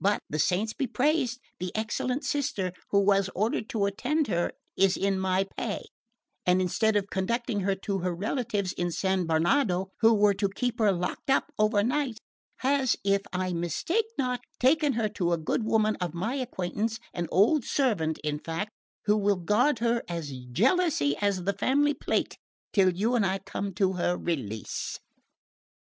But, the saints be praised, the excellent sister who was ordered to attend her is in my pay and instead of conducting her to her relatives of San Barnado, who were to keep her locked up over night, has, if I mistake not, taken her to a good woman of my acquaintance an old servant, in fact who will guard her as jealously as the family plate till you and I come to her release."